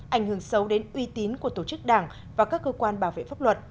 ảnh hưởng xấu đến uy tín của tổ chức đảng và các cơ quan bảo vệ pháp luật